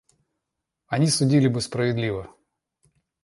Они судили бы справедливо.